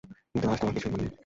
কিন্তু আজ তোমার কিছুই মনে নেই।